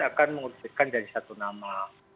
akan menguruskan dari satu nama